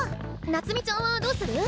夏美ちゃんはどうする？